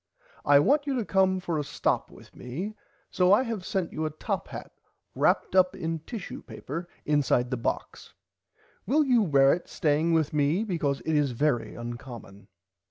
I want you to come for a stop with me so I have sent you a top hat wraped up in tishu paper inside the box. Will you wear it staying with me because it is very uncommon.